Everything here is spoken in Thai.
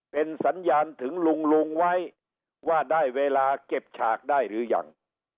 เป็นสัญญาณถึงลุงลุงไว้ว่าได้เวลาเก็บฉากได้หรือยัง